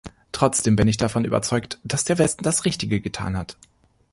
Trotzdem bin ich davon überzeugt, dass der Westen das Richtige getan hat.